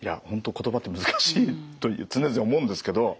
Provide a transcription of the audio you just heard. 言葉って難しいと常々思うんですけど。